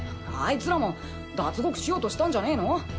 アイツらも脱獄しようとしたんじゃねえの？